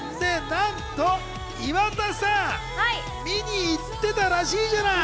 なんと岩田さん、見に行ってたらしいじゃない？